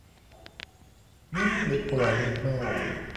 Mi mu le kplo anyigba oo.